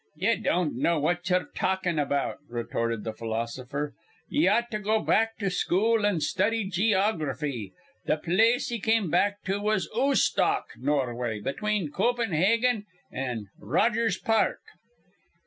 "Ye don't know what ye're talkin' about," retorted the philosopher. "Ye ought to go back to school an' study gee ography. Th' place he come back to was Oostoc, Norway, between Coopenhaagen an' an' Rogers Park."